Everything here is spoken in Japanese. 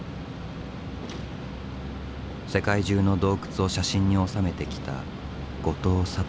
世界中の洞窟を写真に収めてきた後藤聡。